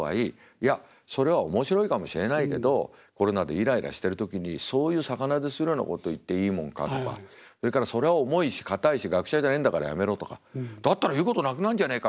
いやそれは面白いかもしれないけどコロナでいらいらしてる時にそういう逆なでするようなことを言っていいもんか」とかそれから「そりゃ重いし硬いし学者じゃねえんだからやめろ」とか「だったら言うことなくなるじゃねえか」